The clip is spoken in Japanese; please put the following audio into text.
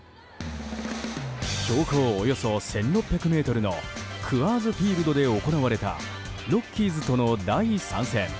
標高およそ１６００ｍのクアーズ・フィールドで行われたロッキーズとの第３戦。